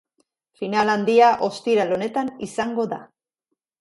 Final handia ostiral honetan izango da.